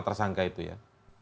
tersangka itu ya